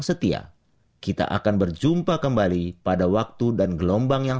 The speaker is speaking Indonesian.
sampai jumpa di video selanjutnya